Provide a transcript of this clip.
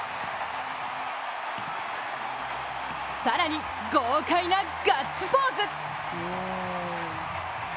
更に豪快なガッツポーズ。